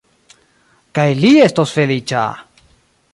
Kaj li estos feliĉa!